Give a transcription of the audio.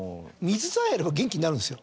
水さえあげれば元気になるんです。